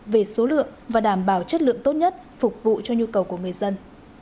về số lượng và đảm bảo chất lượng tốt nhất phục vụ cho nhu cầu của người dân